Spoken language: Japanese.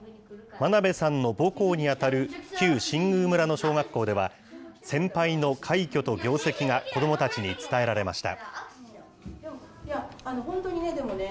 真鍋さんの母校に当たる旧新宮村の小学校では、先輩の快挙と業績が子どもたちに伝えられました。